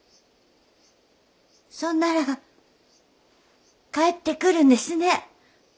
そんなら帰ってくるんですね？